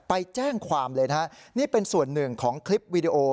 ไปแจ้งความเลยนะฮะนี่เป็นส่วนหนึ่งของคลิปวีดีโอ